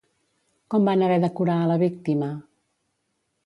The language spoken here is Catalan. Com van haver de curar a la víctima?